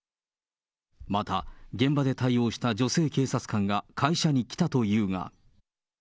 また、現場で対応した女性警察官が、会社に来たというが。